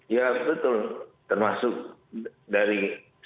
ya betul termasuk dari sektor juga